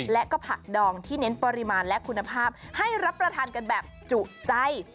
และก็ผักดองที่เน้นปริมาณและคุณภาพให้รับประทานกันแบบจุใจ